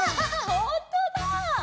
ほんとだ！